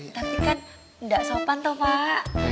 tapi kan gak sopan tau pak